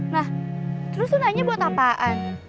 nah terus nanya buat apaan